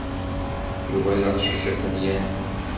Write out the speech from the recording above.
Yuba d aqcic afenyan.